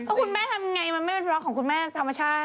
คุณแม่ทำยังไงมันไม่เป็นบล็อกของคุณแม่ทำมาชาติ